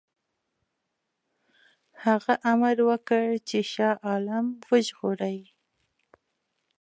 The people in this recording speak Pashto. هغه امر وکړ چې شاه عالم وژغوري.